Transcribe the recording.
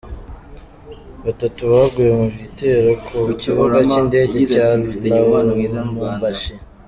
Batatu baguye mu gitero ku kibuga cy’ indege cya Lubumbashi